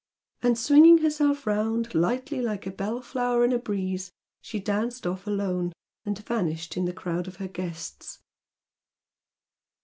And, swinging herself round lightly like a bell flower in a breeze she danced off alone and vanished in the crowd of her guests.